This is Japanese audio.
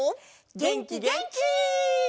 げんきげんき！